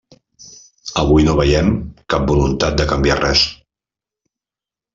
Avui no veiem cap voluntat de canviar res.